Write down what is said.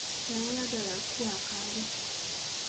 Teyayagala Aku akaabe.